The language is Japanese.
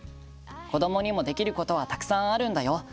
子どもにもできることはたくさんあるんだよ。